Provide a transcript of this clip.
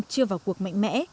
chưa vào cuộc mạnh mẽ